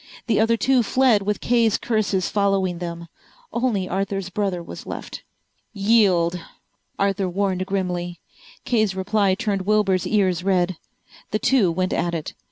The other two fled with Kay's curses following them. Only Arthur's brother was left. "Yield," Arthur warned grimly. Kay's reply turned Wilbur's ears red. The two went at it.